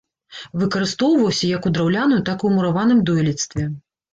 Выкарыстоўваўся як у драўляным, так і ў мураваным дойлідстве.